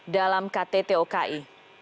dalam ktt oki